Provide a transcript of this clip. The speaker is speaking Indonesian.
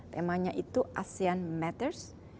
temanya itu asean matters